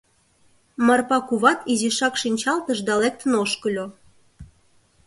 Марпа куват изишак шинчалтыш да лектын ошкыльо.